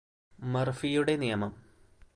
മര്ഫിയുടെ നിയമം